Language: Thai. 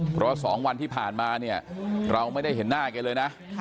เพราะ๒วันที่ผ่านมาเนี่ยเราไม่ได้เห็นหน้าแกเลยนะ